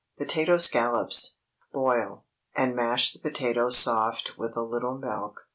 POTATO SCALLOPS. Boil, and mash the potatoes soft with a little milk.